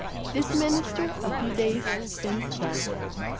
This minister a few days since died.